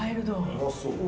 うまそう。